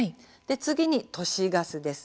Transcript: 次に都市ガスです。